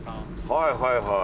はいはいはい。